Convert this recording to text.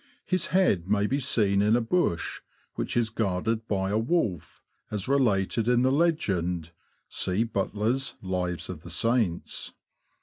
His head may be seen in a bush, which is guarded by a wolf, as related in the legend (see Butler's ''Lives of the Saints").